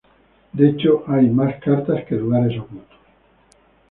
De hecho hay más cartas que lugares ocultos.